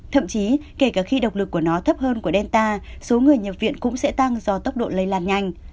thậm chí kể cả khi độc lực của nó thấp hơn của delta số người nhập viện cũng sẽ tăng do tốc độ lây lan nhanh